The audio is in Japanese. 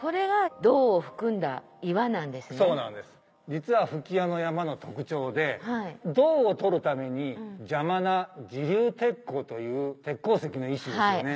実は吹屋の山の特徴で銅を採るために邪魔な磁硫鉄鉱という鉄鉱石の一種ですよね。